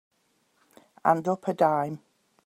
And up a dime.